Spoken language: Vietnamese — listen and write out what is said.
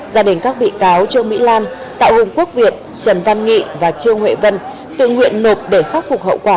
gia đình các bị cáo trương mỹ lan tạo hùng quốc viện trần văn nghị và trương huệ vân tự nguyện nộp để khắc phục hậu quả